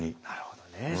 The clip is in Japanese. なるほどね。